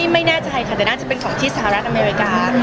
ไม่แน่ใจค่ะแต่น่าจะเป็นของที่สหรัฐอเมริกา